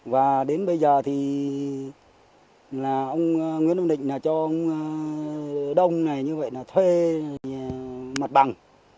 và đến bây giờ thì là ông nguyễn văn định cho ông đông thuê mặt bằng